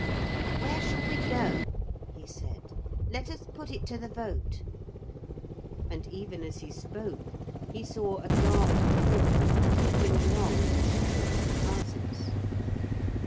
'Where shall we go?' he said; 'let us put it to the vote.' And even as he spoke, he saw a dark form creeping along in the shadow of the houses.